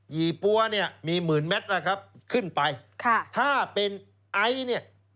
ี่ปั๊วเนี่ยมีหมื่นแมทนะครับขึ้นไปค่ะถ้าเป็นไอซ์เนี่ย